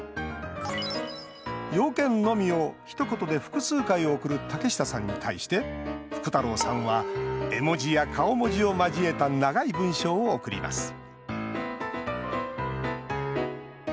用件のみを、ひと言で複数回送る竹下さんに対して福太郎さんは絵文字や顔文字を交えた長い文章を送ります